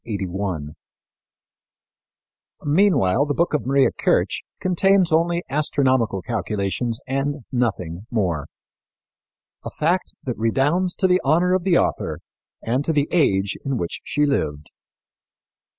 Similarly, the book of Maria Kirch contains only astronomical calculations and nothing more a fact that redounds to the honor of the author and to the age in which she lived.